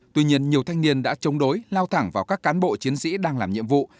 tuy nhiên nhiều thanh niên đã chống đối lao thẳng vào các cán bộ chiến sĩ đang làm nhiệm vụ